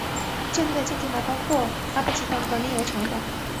境内的建筑还包括布阿集团的炼油厂等。